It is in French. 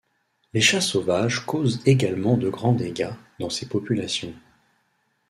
Les chats sauvages causent également de grands dégâts dans ses populations.